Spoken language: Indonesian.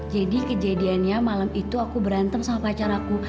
jadi kejadiannya malam itu aku berantem sama pacar aku